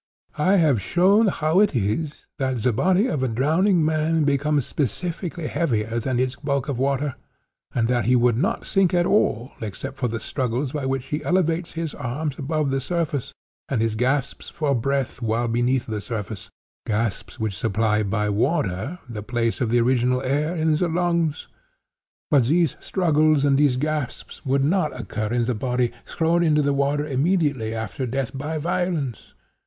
I have shown how it is that the body of a drowning man becomes specifically heavier than its bulk of water, and that he would not sink at all, except for the struggles by which he elevates his arms above the surface, and his gasps for breath while beneath the surface—gasps which supply by water the place of the original air in the lungs. But these struggles and these gasps would not occur in the body 'thrown into the water immediately after death by violence.